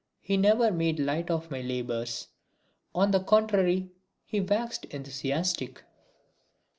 He never made light of my labours. On the contrary he waxed enthusiastic.